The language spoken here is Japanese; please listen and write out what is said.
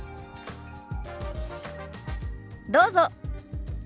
どうぞ。